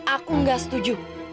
aku nggak setuju